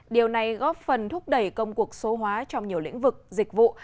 điều này góp phần thúc đẩy công cuộc số hóa trong nhiều lĩnh vực dịch vụ